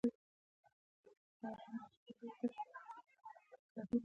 وعلیکم السلام پاچا صاحب راځه کنه.